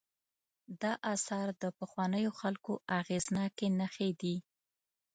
دا آثار د پخوانیو خلکو اغېزناکې نښې دي.